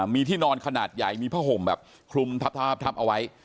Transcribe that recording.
มีที่นอนขนาดใหญ่มีผ้าห่มแบบคลุมทับเอาไว้